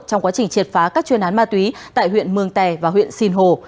trong quá trình triệt phá các chuyên án ma túy tại huyện mường tè và huyện sinh hồ